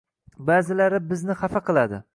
Ba’zilari bizni hafa qiladi.